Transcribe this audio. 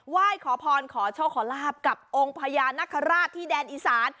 ไหว้ขอพรขอโชคขอลาบกับองค์พญานาคาราชที่แดนอีสาน